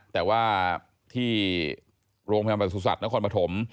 แต่ว่าที่โรงพยาบาลประสุทธิ์นครปฐม